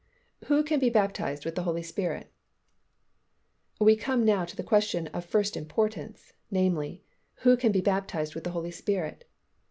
WHO CAN BE BAPTIZED WITH THE HOLY SPIRIT? We come now to the question of first importance, namely, Who can be baptized with the Holy Spirit?